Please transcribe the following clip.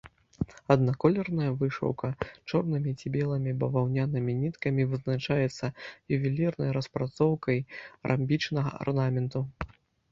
Аднаколерная вышыўка чорнымі ці белымі баваўнянымі ніткамі вызначаецца ювелірнай распрацоўкай рамбічнага арнаменту.